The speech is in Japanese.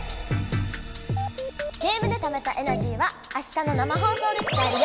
ゲームでためたエナジーはあしたの生放送で使えるよ！